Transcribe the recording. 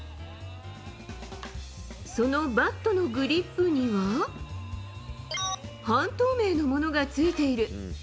そのバットのグリップには、半透明のものがついている。